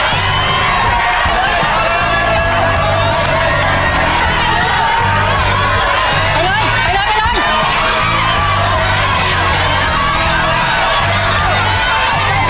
จำนวนแล้วลงอีกสองด้วย